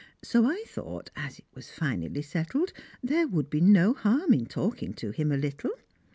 So I thought, as it was finally settled, there would be no harm in talking to him a little.